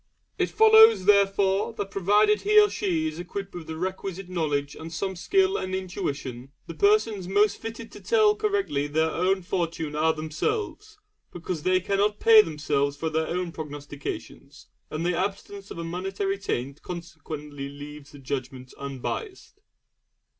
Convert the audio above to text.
It follows, therefore, that provided he or she is equipped with the requisite knowledge and some skill and intuition, the persons most fitted to tell correctly their own fortune are themselves; because they cannot pay themselves for their own prognostications, and the absence of a monetary taint consequently leaves the judgment unbiased.